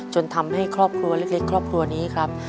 จนทำให้ครอบครัวเล็กครอบครัวนี้ครับ